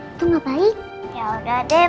itu gak baik yaudah deh